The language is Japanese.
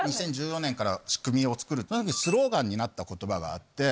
２０１４年から仕組みを作るその時にスローガンになった言葉があって。